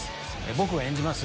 僕演じます